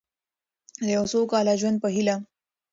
د یو سوکاله ژوند په هیله.